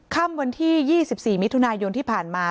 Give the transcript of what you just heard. ค่ำวันที่๒๔มิถุนายนที่ผ่านมา